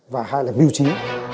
và hay là mưu trí